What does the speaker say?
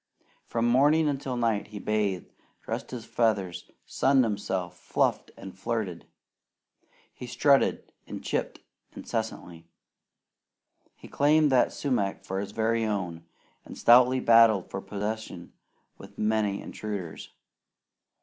From morning until night he bathed, dressed his feathers, sunned himself, fluffed and flirted. He strutted and "chipped" incessantly. He claimed that sumac for his very own, and stoutly battled for possession with many intruders.